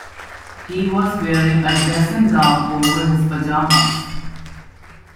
He was wearing a dressing gown over his pyjamas